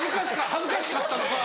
恥ずかしかったのか。